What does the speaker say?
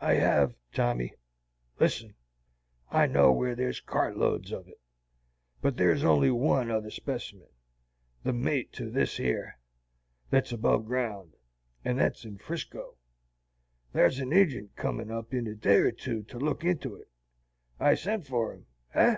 "I hev, Tommy. Listen. I know whar thar's cartloads of it. But thar's only one other specimen the mate to this yer thet's above ground, and thet's in 'Frisco. Thar's an agint comin' up in a day or two to look into it. I sent for him. Eh?"